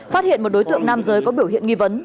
phát hiện một đối tượng nam giới có biểu hiện nghi vấn